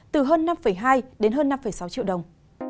từ hơn năm hai đến hơn năm sáu triệu đồng